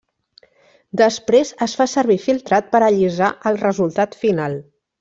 Després es fa servir filtrat per allisar el resultat final.